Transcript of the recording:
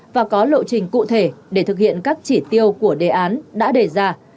và có lộ trình cụ thể để thực hiện các chỉ tiêu của đề án đã đề ra